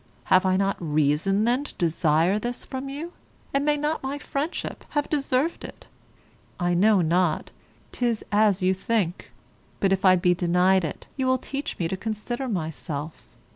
Have I not reason then to desire this from you; and may not my friendship have deserved it? I know not; 'tis as you think; but if I be denied it, you will teach me to consider myself.